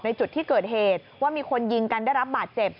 จุดที่เกิดเหตุว่ามีคนยิงกันได้รับบาดเจ็บ